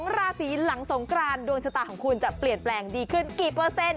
ราศีหลังสงกรานดวงชะตาของคุณจะเปลี่ยนแปลงดีขึ้นกี่เปอร์เซ็นต